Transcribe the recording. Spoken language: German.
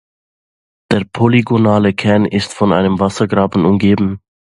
Der polygonale Kern ist von einem Wassergraben umgeben.